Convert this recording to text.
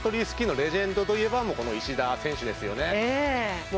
スキーのレジェンドといえば石田選手ですよね。